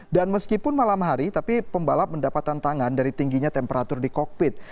dan meskipun malam hari tapi pembalap mendapat tantangan dari tingginya temperatur di kokpit